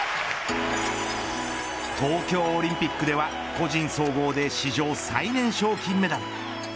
東京オリンピックでは個人総合で史上最年少金メダル。